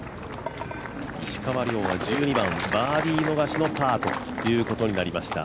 石川遼は１２番、バーディー逃しのパーということになりました。